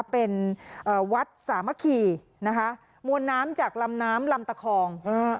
เป็นเอ่อวัดสามัคคีนะคะมวลน้ำจากลำน้ำลำตะคอง